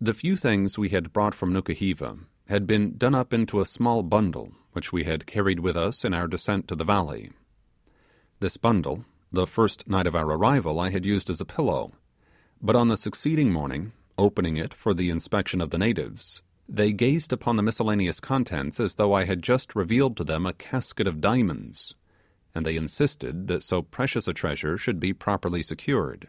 The few things we had brought from Nukuheva had been done up into a small bundle which we had carried with us in our descent to the valley. This bundle, the first night of our arrival, I had used as a pillow, but on the succeeding morning, opening it for the inspection of the natives, they gazed upon the miscellaneous contents as though I had just revealed to them a casket of diamonds, and they insisted that so precious a treasure should be properly secured.